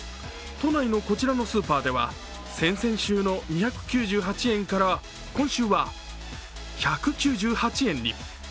都内のこちらのスーパーでは先々週の２９８円から今週は１９８円に。